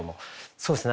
そうですね